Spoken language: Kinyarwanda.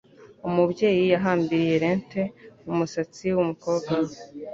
Umubyeyi yahambiriye lente mu musatsi wumukobwa we.